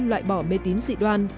loại bỏ mê tín dị đoan